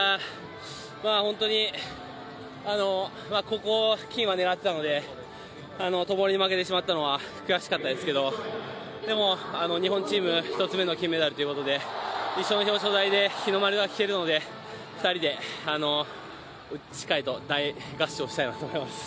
本当にここ、金は狙っていたので、灯に負けてしまったのは悔しかったですけどでも、日本チーム、１つ目の金メダルということで一緒の表彰台で日の丸が聞けるので２人でしっかりと大合唱したいと思います。